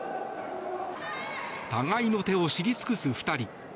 互いの手を知り尽くす２人。